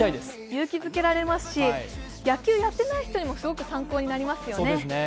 勇気づけられますし、野球をやっていない人にもすごく参考になりますよね。